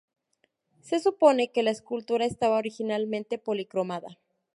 Se supone que la escultura estaba originalmente policromada.